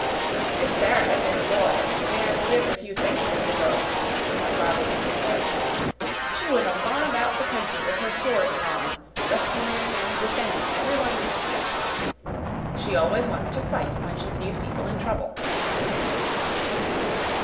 "If Sara had been a boy and lived a few centuries ago," her father used to say, "she would have gone about the country with her sword drawn, rescuing and defending everyone in distress. She always wants to fight when she sees people in trouble."